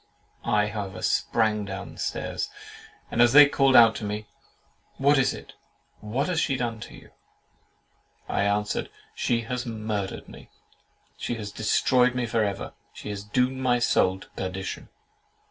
I however sprang down stairs, and as they called out to me, "What is it?—What has she done to you?" I answered, "She has murdered me!—She has destroyed me for ever!—She has doomed my soul to perdition!"